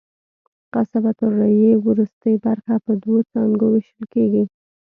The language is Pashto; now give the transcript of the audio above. قصبة الریې وروستۍ برخه په دوو څانګو وېشل کېږي.